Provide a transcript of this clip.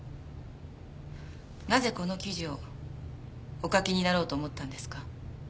なぜこの記事をお書きになろうと思ったんですか？